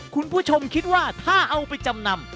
คุณผู้ชมคิดว่าถ้าเอาไปจำนำ